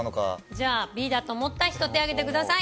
じゃあＢだと思った人手挙げてください。